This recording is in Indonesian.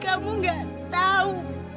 kamu gak tahu